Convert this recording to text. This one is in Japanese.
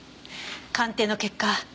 鑑定の結果